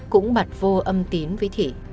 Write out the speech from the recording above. cũng bật vô âm tín với thị